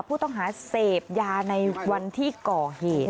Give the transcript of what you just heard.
ผู้ต้องหาเสพยาในวันที่ก่อเหตุ